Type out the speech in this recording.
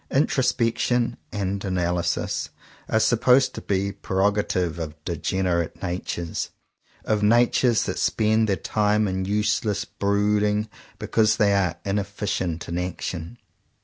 Introspection and analysis are supposed to be a preroga tive of degenerate natures, of natures that spend their time in useless brooding because they are inefficient in action.